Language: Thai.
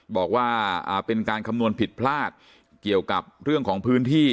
บอกว่าเป็นการคำนวณผิดพลาดเกี่ยวกับเรื่องของพื้นที่